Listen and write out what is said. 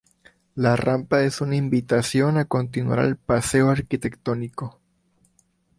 La rampa es una invitación a continuar el paseo arquitectónico.